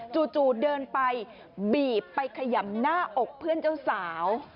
จู่เดินไปบีบไปขยำหน้าอกเพื่อนเจ้าสาว